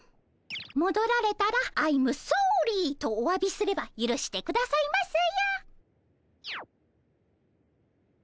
もどられたらアイムソーリーとおわびすればゆるしてくださいますよ。